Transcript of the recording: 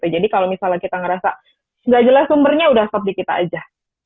jadi kalau misalnya kita ngerasa nggak jelas sumbernya udah stop dikit aja